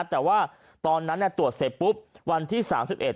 แต่ว่าตอนนั้นเนี่ยตรวจเสพปุ๊บวันที่สามสิบเอ็ด